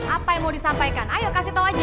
apa yang mau disampaikan ayo kasih tau aja